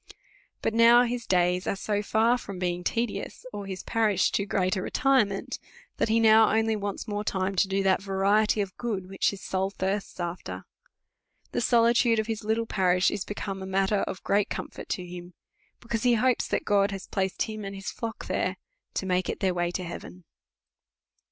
But now his days are so far from being tedious, or his parish too great a retirement, that he now only wants more time to do that variety of good which his soul thirsts after. The solitude of his little parish is be come matter of great comfort to him ; because he hopes that God has placed him and his Hock there, to make it their way to heaven.